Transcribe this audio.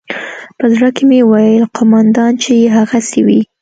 په زړه کښې مې وويل قومندان چې يې هغسې وي.